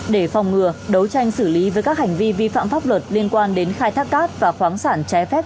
để phòng ngừa đấu tranh xử lý với các hành vi vi phạm pháp luật liên quan đến khai thác cát và khoáng sản trái phép trên địa bàn